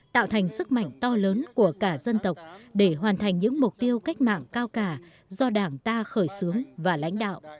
tạo thành sức mạnh to lớn của cả dân tộc để hoàn thành những mục tiêu cách mạng cao cả do đảng ta khởi xướng và lãnh đạo